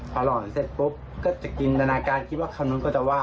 พอหล่อนเสร็จปุ๊บก็จะจินตนาการคิดว่าคนนู้นก็จะว่า